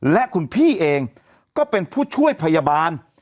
และคุณพี่เองก็เป็นผู้ช่วยพยาบาล